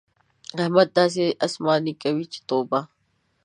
احمد داسې اسماني کوي چې توبه!